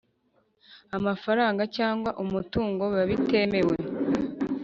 amafaranga cyangwa umutungo biba bitemewe